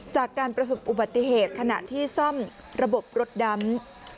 จากการประสบอุบัติเหตุขณะที่ซ่อมระบบรถดำ